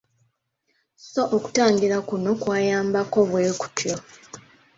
So okutangira kuno kwayambangako bwe kutyo.